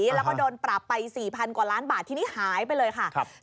แล้วก็โดนปรับไป๔๐๐กว่าล้านบาททีนี้หายไปเลยค่ะ